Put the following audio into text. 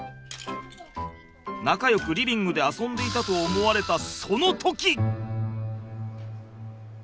仲よくリビングで遊んでいたと思われたその時。